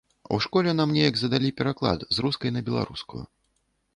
У школе нам неяк задалі пераклад з рускай на беларускую.